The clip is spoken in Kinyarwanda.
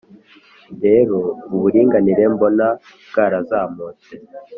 rero, uburinganire mbona bwarazamutse